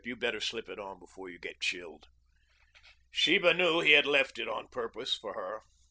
You'd better slip it on before you get chilled." Sheba knew he had left it on purpose for her.